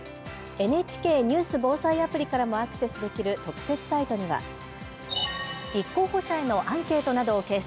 ＮＨＫニュース・防災アプリからもアクセスできる特設サイトには、立候補者へのアンケートを掲載。